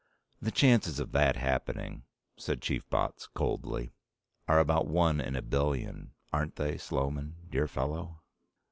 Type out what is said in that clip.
"The chances of that happening," said Chief Botts coldly, "are about one in a billion. Aren't they, Sloman, dear fellow?"